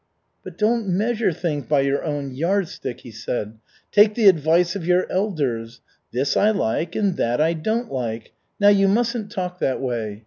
"But don't measure things by your own yardstick. Take the advice of your elders. 'This I like, and that I don't like.' Now, you mustn't talk that way!